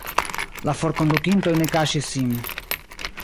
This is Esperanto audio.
La forkondukintoj ne kaŝis sin.